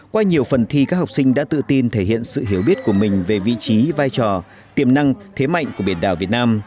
qua nhiều phần thi các học sinh đã tự tin thể hiện sự hiểu biết của mình về vị trí vai trò tiềm năng thế mạnh của biển đảo việt nam